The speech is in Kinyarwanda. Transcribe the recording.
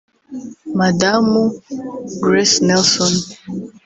Madamu Grace Nelson